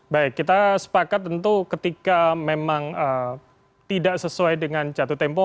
baik kita sepakat tentu ketika memang tidak sesuai dengan jatuh tempo